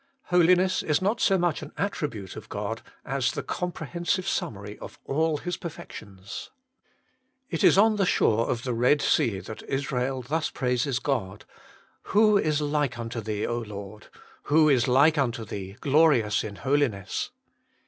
Holiness is not so much an attribute of God, as the comprehensive summary of all His perfections. It is on the shore of the Red Sea that Israel thus praises God :' Who is like unto Thee, O Lord ! Who is like unto Thee, glorious in holi ness